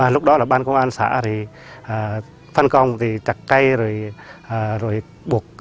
lúc đó là ban công an xã thì phân công thì chặt cây rồi buộc